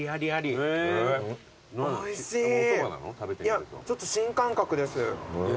いやちょっと新感覚です。